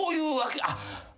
あっ！